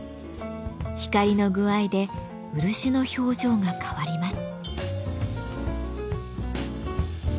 光の具合で漆の表情が変わります。